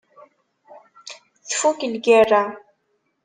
Tfukk lgira.